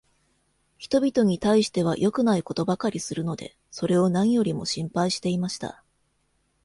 人びとに対しては良くないことばかりするので、それを何よりも心配していました。